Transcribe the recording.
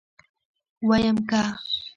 ويم که.